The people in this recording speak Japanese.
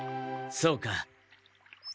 そうか。